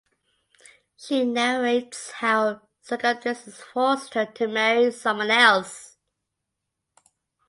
She narrates how circumstances forced her to marry someone else.